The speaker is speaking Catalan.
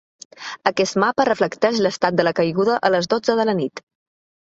Aquest mapa reflecteix l’estat de la caiguda a les dotze de la nit.